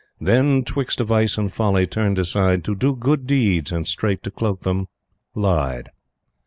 Then, 'twixt a vice and folly, turned aside To do good deeds and straight to cloak them, lied.